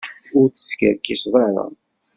Ur teskerkiseḍ ara.